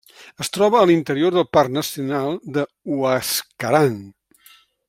Es troba a l'interior del Parc Nacional del Huascarán.